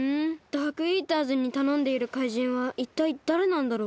ダークイーターズにたのんでいる怪人はいったいだれなんだろう。